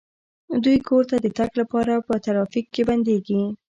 دوی کور ته د تګ لپاره په ترافیک کې بندیږي